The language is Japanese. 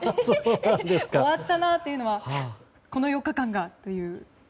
終わったなというのはこの４日間がという？